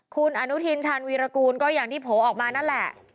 คุณอนุทินชาญวีรกูลก็อย่างที่โผล่ออกมานั่นแหละ